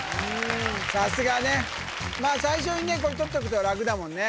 さすがねまあ最初にねとっとくと楽だもんね